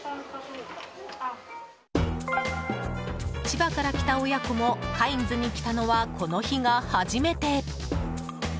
千葉から来た親子もカインズに来たのはこの日が初めて。